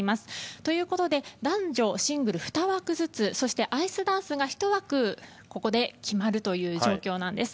ということで男女シングル２枠ずつアイスダンスが１枠ここで決まるという状況なんです。